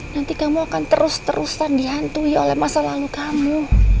nanti kamu akan terus terusan dihantui oleh masa lalu kamu